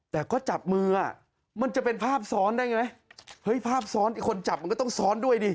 แต่ก็จับมืออ่ะมันจะเป็นภาพซ้อนได้ไงเฮ้ยภาพซ้อนอีกคนจับมันก็ต้องซ้อนด้วยดิ